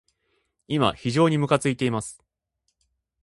今、非常にむかついています。